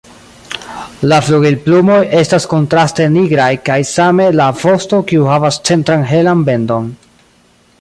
La flugilplumoj estas kontraste nigraj kaj same la vosto kiu havas centran helan bendon.